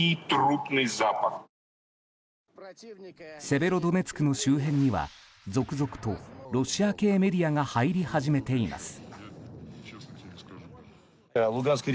セベロドネツクの周辺には続々とロシア系メディアが入り始めています。